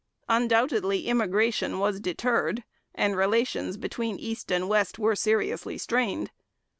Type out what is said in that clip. Undoubtedly immigration was deterred, and relations between East and West were seriously strained.